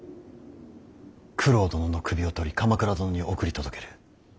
九郎殿の首を取り鎌倉殿に送り届ける。